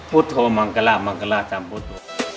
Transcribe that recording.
พุทธโทมังกะลามังกะลาจำพูดตัว